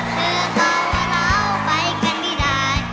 เธอบอกว่าเราไปกันไม่ดาย